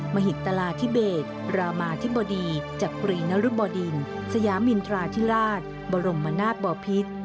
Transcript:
มหิตราธิเบศรามาธิบดีจักรีนรุบดินสยามินทราธิราชบรมนาศบอพิษ